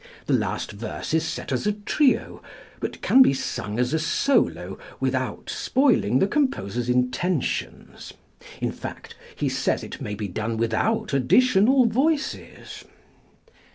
The last verse is set as a trio, but can be sung as a solo without spoiling the composer's intentions; in fact, he says it may be done without additional voices.